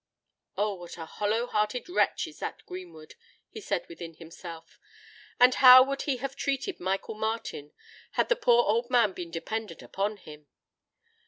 "Oh! what a hollow hearted wretch is that Greenwood!" he said within himself: "and how would he have treated Michael Martin, had the poor old man been dependent upon him!